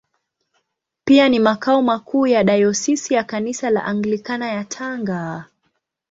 Pia ni makao makuu ya Dayosisi ya Kanisa la Anglikana ya Tanga.